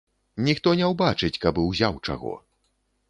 Ніхто не ўбачыць, каб і ўзяў чаго.